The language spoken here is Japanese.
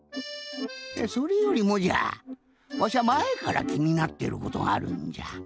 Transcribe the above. それよりもじゃわしゃまえからきになってることがあるんじゃ。